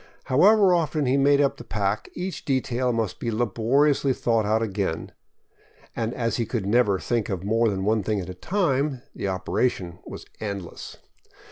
However 'often he made up the pack, each detail must be laboriously thought out again, and as he could never think of more than one thing at a time, the operation was endless.